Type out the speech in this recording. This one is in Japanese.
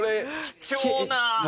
貴重な。